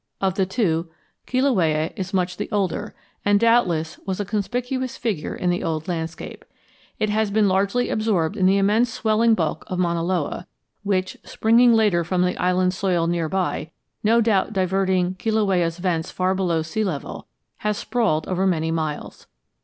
Of the two, Kilauea is much the older, and doubtless was a conspicuous figure in the old landscape. It has been largely absorbed in the immense swelling bulk of Mauna Loa, which, springing later from the island soil near by, no doubt diverting Kilauea's vents far below sea level, has sprawled over many miles.